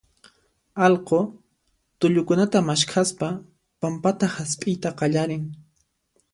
allqu tullukunata maskhaspa pampata hasp'iyta qallarin.